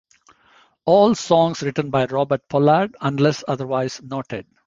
All songs written by Robert Pollard unless otherwise noted.